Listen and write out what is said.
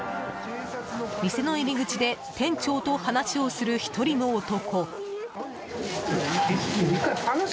店の入り口で店長と話をする１人の男。